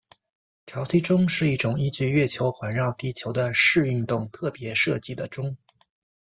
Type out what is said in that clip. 潮汐钟是一种依据月球环绕地球的视运动特别设计的钟。